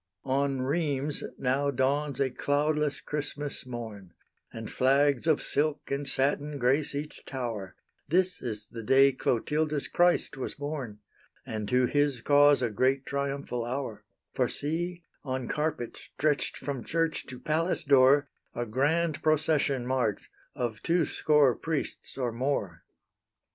On Rheims now dawns a cloudless Christmas morn; And flags of silk and satin grace each tower; This is the day Clotilda's Christ was born, And to His cause a great triumphal hour, For see, on carpet stretched from church to palace door, A grand procession march, of two score priests or more!